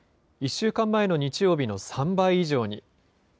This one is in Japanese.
１週間前の日曜日の３倍以上に。